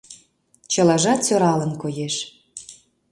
Чылажат сӧралын коеш.